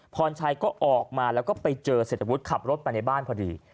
พรชัยก็ออกมาแล้วก็ไปเจอเศรษฐวุฒิขับรถไปในบ้านพอดี